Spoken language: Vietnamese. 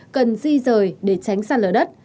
cần di rời để tránh sạt lở đất